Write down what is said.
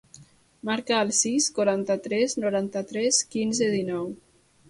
Marca el sis, quaranta-tres, noranta-tres, quinze, dinou.